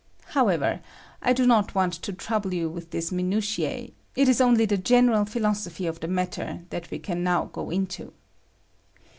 However, I do not want to trouble you with these minntios ; it is only the general philosophy of the matter that we can now go into.